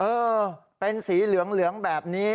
เออเป็นสีเหลืองแบบนี้